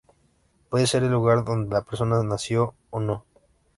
Puede ser el lugar donde la persona nació, o no.